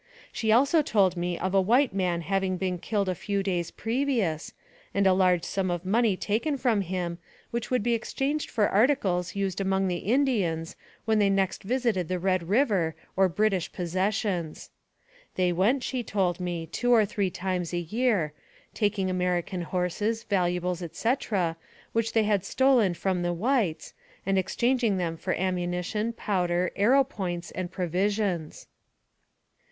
She also told me of a white man having been killed a few days previous, and a large sum of money taken from him, which would be exchanged for articles used among the Indians 118 NARRATIVE OF CAPTIVITY when they next visited the Red River or British Pos sessions. They went, she told me, two or three times a year, taking American horses, valuables, etc., which they had stolen from the whites, and exchanging them for amunition, powder, arrow points, and provisions.